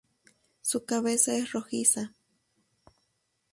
Su cabeza es rojiza.